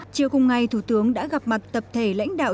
chiều cùng ngày thủ tướng đã gặp mặt tập thể lãnh đạo